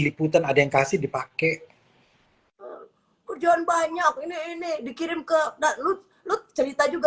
liputan ada yang kasih dipakai perjuangan banyak ini ini dikirim ke dan lut lut cerita juga